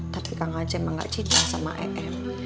tapi kak ngajem emak gak cinta sama em